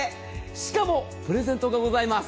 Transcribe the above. しかもプレゼントがございます。